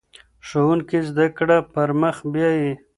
ښوونکی زده کړه پر مخ بیايي.